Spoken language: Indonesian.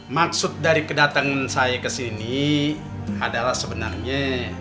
maksud dari kedatangan saya kesini adalah sebenarnya